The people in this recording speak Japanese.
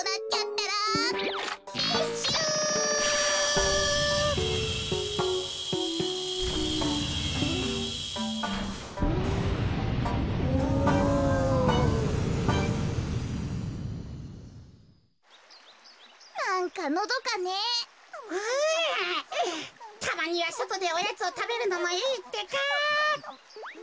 たまにはそとでおやつをたべるのもいいってか。